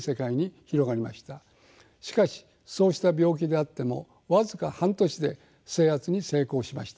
しかしそうした病気であっても僅か半年で制圧に成功しました。